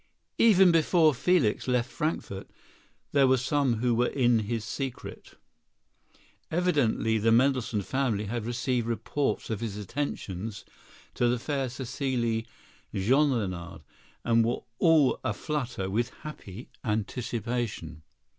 Even before Felix left Frankfort there were some who were in his secret. Evidently the Mendelssohn family had received reports of his attentions to the fair Cécile Jeanrenaud and were all a flutter with happy anticipation.